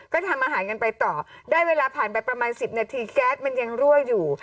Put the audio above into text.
ก็ทำอาหารกันไปต่อได้เวลาผ่านไปประมาณ๑๐นาทีแก๊สมันยังรั่วอยู่